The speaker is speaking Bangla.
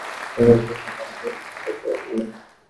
তিনি পরিচিত ছিলেন 'কে সি দে'নামে।